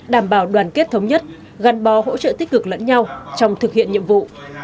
đảm bảo đoàn kết thống nhất gắn bó hỗ trợ tích cực lẫn nhau trong thực hiện nhiệm vụ